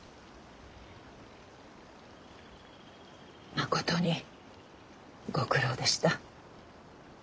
まことにご苦労でした。